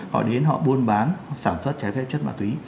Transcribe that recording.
họ đến họ buôn bán họ sản xuất trái phép chất ma túy